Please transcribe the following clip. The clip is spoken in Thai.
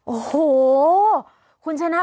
โอ้โฮคุณชนะคะ